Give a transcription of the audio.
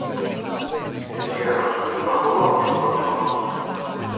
'Nes i aros mewn Travelodge dros nos.